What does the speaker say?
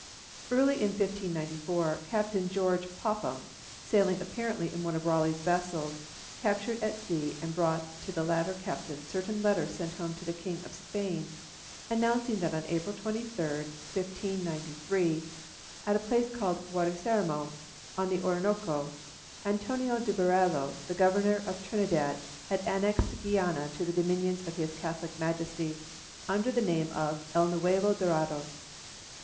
Early in 1594 Captain George Popham, sailing apparently in one of Raleigh's vessels, captured at sea and brought to the latter certain letters sent home to the King of Spain announcing that on April 23, 1593, at a place called Warismero, on the Orinoco, Antonio de Berreo, the Governor of Trinidad, had annexed Guiana to the dominions of his Catholic Majesty, under the name of El Nuevo Dorado.